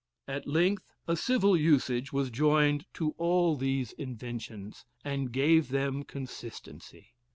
At length a civil usage was joined to all these inventions, and gave them consistency.